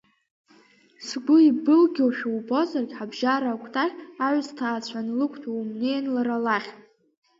Сгәы, ибылгьошәа убозаргь ҳабжьара акәтаӷь, аҩсҭаацәа анлықәтәоу умнеин лара лахь!